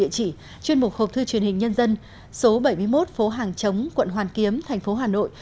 chuyên mục hộp thư truyền hình nhân dân số bảy mươi một phố hàng chống quận hoàn kiếm thành phố hà nội